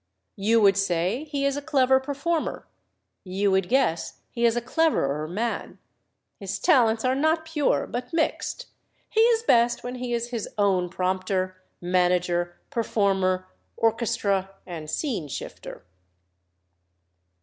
You would say he is a clever performer you would guess he is a cleverer man. His talents are not pure, but mixed. He is best when he is his own prompter, manager, performer, orchestra, and scene shifter."